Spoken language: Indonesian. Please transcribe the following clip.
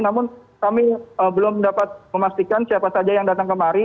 namun kami belum dapat memastikan siapa saja yang datang kemari